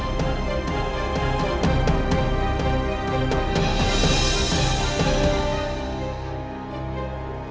tante andis mau tinggal disini